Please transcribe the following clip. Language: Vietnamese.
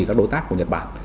các đối tác của nhật bản